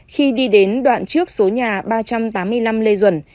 khi đi đến đoạn trước số nhà ba trăm tám mươi năm lê duẩn